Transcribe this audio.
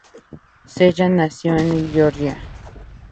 Segall nació en Georgia.